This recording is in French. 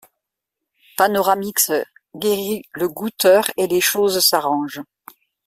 Panoramix guérit le goûteur et les choses s'arrangent.